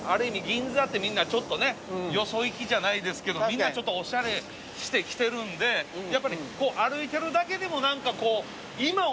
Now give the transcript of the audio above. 銀座ってみんなちょっとねよそ行きじゃないですけどみんなおしゃれしてきてるんでやっぱり歩いてるだけでも何かこう今を見てるみたいな。